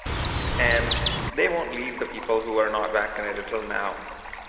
And they won't leave the people who are not vaccinated till now.